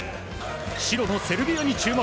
白のセルビアに注目。